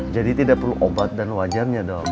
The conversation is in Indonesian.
jadi tidak perlu obat dan wajarnya dong